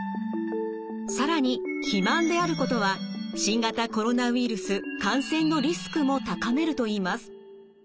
更に肥満であることは新型コロナウイルス感染のリスクも高めると言います。